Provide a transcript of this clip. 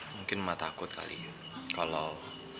mungkin emak takut kali kalau